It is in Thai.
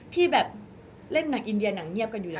ที่แบบเล่นหนังอินเดียหนังเงียบกันอยู่แล้ว